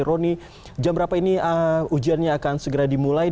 roni jam berapa ini ujiannya akan segera dimulai